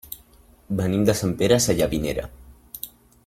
Venim de Sant Pere Sallavinera.